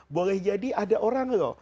boleh jadi ada orang loh